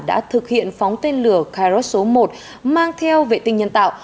đã thực hiện phóng tên lửa kairos số một mang theo vệ tinh nhân tạo